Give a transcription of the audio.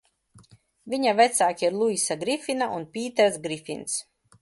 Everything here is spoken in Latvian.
Viņa vecāki ir Luisa Grifina un Pīters Grifins.